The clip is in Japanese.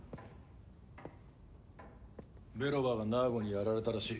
ベロバがナーゴにやられたらしい。